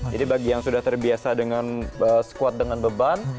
jadi bagi yang sudah terbiasa dengan squat dengan beban